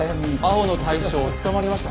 青の大将捕まりました。